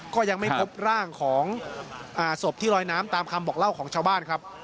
ก็ยังไม่พบร่างของศพที่ลอยน้ำตามคำบอกเล่าของชาวบ้านครับ